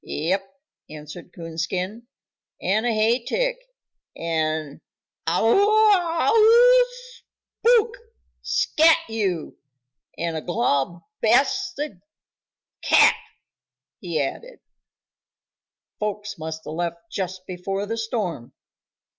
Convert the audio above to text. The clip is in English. "Yep," answered Coonskin, "and a hay tick, and waow w w w!!! !!!! spook! Scat you! and a gol blasted cat," he added. "Folks must've left just before the storm."